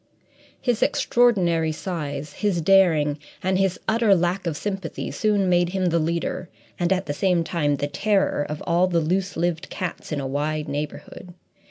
His extraordinary size, his daring, and his utter lack of sympathy soon made him the leader and, at the same time, the terror of all the loose lived cats in a wide neighbourhood.